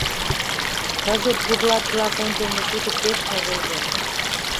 Кызыт бурлак-влак ончылно тудо пеш ныжылге.